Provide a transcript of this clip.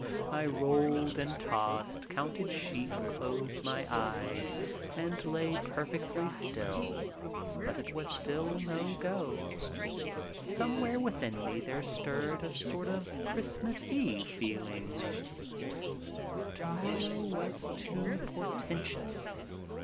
I rolled and tossed, counted sheep, closed my eyes and lay perfectly still, but it was no go. Somewhere within me there stirred a sort of Christmas Eve feeling. To morrow was too portentous.